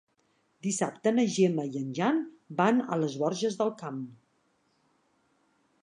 Dissabte na Gemma i en Jan van a les Borges del Camp.